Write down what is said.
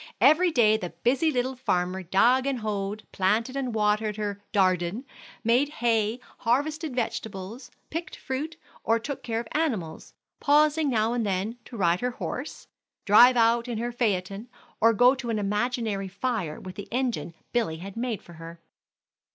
Every day the busy little farmer dug and hoed, planted and watered her "dardin," made hay, harvested vegetables, picked fruit, or took care of animals, pausing now and then to ride her horse, drive out in her phaeton, or go to an imaginary fire with the engine Billy had made for her.